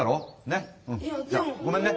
ねっ。じゃあごめんね。